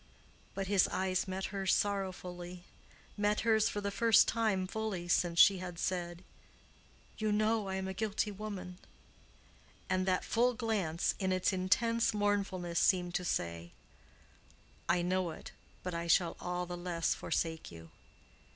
But his eyes met hers sorrowfully—met hers for the first time fully since she had said, "You know I am a guilty woman," and that full glance in its intense mournfulness seemed to say, "I know it, but I shall all the less forsake you."